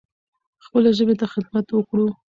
خپلې ژبې ته خدمت وکړو.